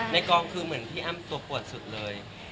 กองคือเหมือนพี่อ้ำตัวปวดสุดเลย